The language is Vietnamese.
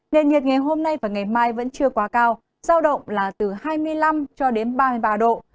nền nhiệt ngày hôm nay và ngày mai vẫn chưa quá cao giao động là từ hai mươi năm cho đến ba mươi ba độ